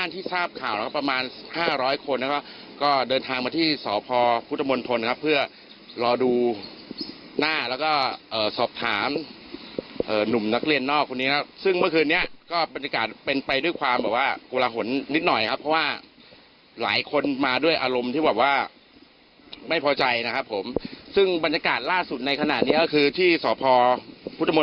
ที่ศพพุทธมนต์ธนตร์ตอนนี้ยังเหงียบเหงาอยู่ครับ